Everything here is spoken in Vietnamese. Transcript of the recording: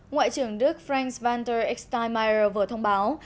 ngoại trưởng đức franz walter ecksteinmeier vừa thông báo